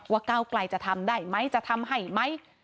ก้าวไกลจะทำได้ไหมจะทำให้ไหม